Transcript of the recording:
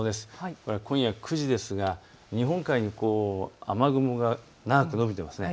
これは今夜９時ですが日本海に雨雲が長く延びていますね。